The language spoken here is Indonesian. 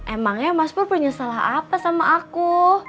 emangnya mas pur penyesal apa sama aku